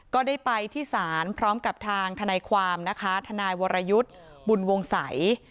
ก็ได้ไปที่ศาลพร้อมกับทางทนายความนะคะทนายวรยุทธ์บุญวงศัย